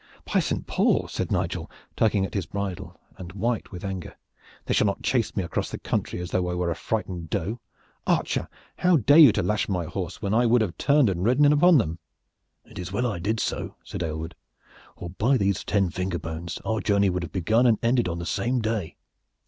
"By Saint Paul!" said Nigel, tugging at his bridle and white with anger, "they shall not chase me across the country as though I was a frighted doe. Archer, how dare you to lash my horse when I would have turned and ridden in upon them?" "It is well that I did so," said Aylward, "or by these ten finger bones! our journey would have begun and ended on the same day.